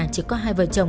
chỉ có hai vợ chồng